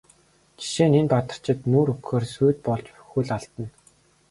Жишээ нь энэ Бадарчид нүүр өгөхөөр сүйд болж хөл алдана.